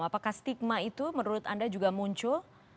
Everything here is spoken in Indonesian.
apakah stigma itu menurut anda juga muncul